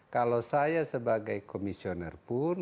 kalau saya sebagai komisioner pun